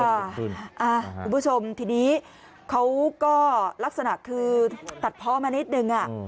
อ่าคุณผู้ชมทีนี้เขาก็ลักษณะคือตัดพ่อมานิดหนึ่งอ่ะอืม